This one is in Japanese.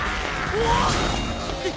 うわっ！